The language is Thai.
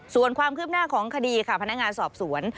ส่วนความคืบหน้าของคดีค่ะพนักงานสอบสวน